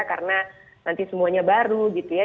karena nanti semuanya baru gitu ya